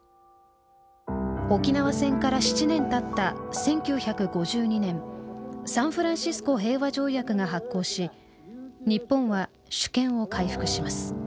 沖縄戦から７年たった１９５２年サンフランシスコ平和条約が発効し日本は主権を回復します。